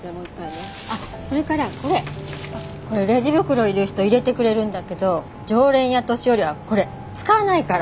これレジ袋いる人入れてくれるんだけど常連や年寄りはこれ使わないから。